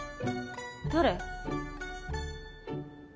誰？